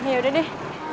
ya udah deh